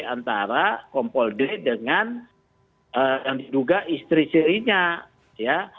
antara kompol d dengan yang diduga istri istrinya